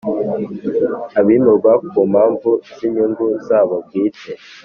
abimurwa ku mpamvu z inyungu zabo bwite